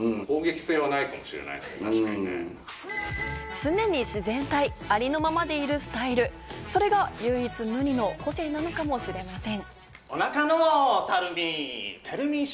常に自然体、ありのままでいるスタイル、それが唯一無二の個性なのかもしれません。